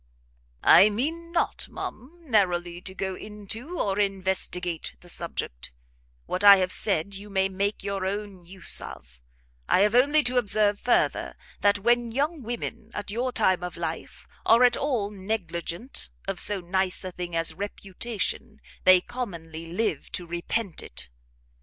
"I mean not, ma'am, narrowly to go into, or investigate the subject; what I have said you may make your own use of; I have only to observe further, that when young women, at your time of life, are at all negligent of so nice a thing as reputation, they commonly live to repent it."